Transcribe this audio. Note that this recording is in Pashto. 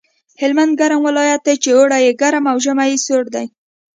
هلمند ګرم ولایت دی چې اوړی یې ګرم او ژمی یې سوړ دی